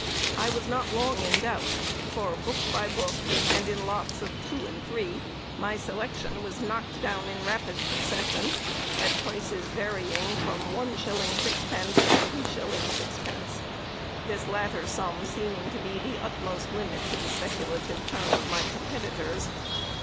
I was not long in doubt, for book by book, and in lots of two and three, my selection was knocked down in rapid succession, at prices varying from 1_s_. 6_d_. to 3_s_. 6_d_., this latter sum seeming to be the utmost limit to the speculative turn of my competitors.